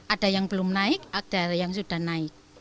ada yang belum naik ada yang sudah naik